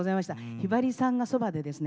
ひばりさんがそばでですね